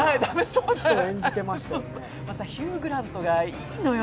またヒュー・グラントがいいのよ。